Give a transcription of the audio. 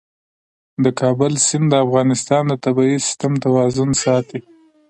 د کابل سیند د افغانستان د طبعي سیسټم توازن ساتي.